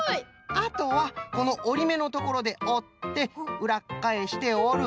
あとはこのおりめのところでおってうらっかえしておる。